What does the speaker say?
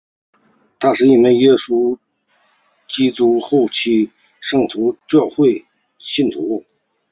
他是一名耶稣基督后期圣徒教会信徒。